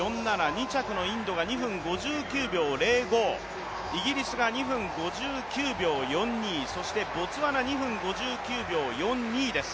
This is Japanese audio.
２着のインドが２分５９秒０５、イギリスが２分５９秒４２、そしてボツワナ２分５９秒４２です。